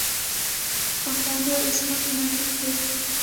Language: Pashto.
پخوانو عصمت نفي کړو.